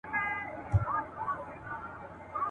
د رقیبانو له سرکوبه خو چي نه تېرېدای !.